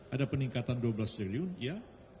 ada peningkatan dua belas triliun ya